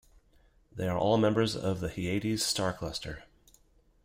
They are all members of the Hyades star cluster.